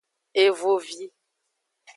Evovi.